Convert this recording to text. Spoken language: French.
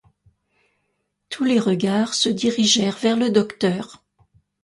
Tous les regards se dirigèrent vers le docteur.